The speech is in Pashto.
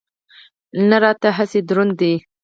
نه راته هسې دروند دی.